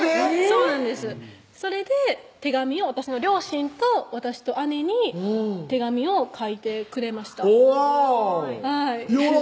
そうなんですそれで手紙を私の両親と私と姉に手紙を書いてくれましたおぉ！